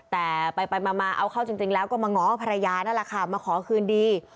แต่ไปมาเอาเข้าจริงแล้วก็มาง้อภรรยานั่นแหละค่ะมาขอคืนดี